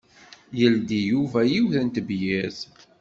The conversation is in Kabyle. Yeldi Yuba yiwet n tebyirt.